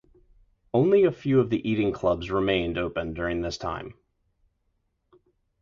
Only a few of the eating clubs remained open during this time.